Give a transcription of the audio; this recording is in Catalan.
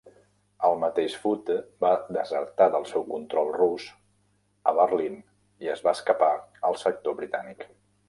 El mateix Foote va desertar del seu control rus a Berlín i es va escapar al sector britànic.